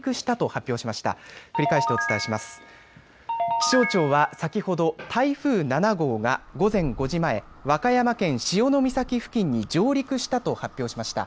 気象庁は先ほど台風７号が午前５時前和歌山県潮岬付近に上陸したと発表しました。